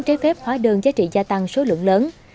trái phép hóa đơn giá trị gia tăng số lượng lớn